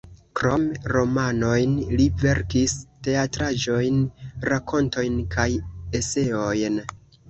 Krom romanojn li verkis teatraĵojn, rakontojn kaj eseojn.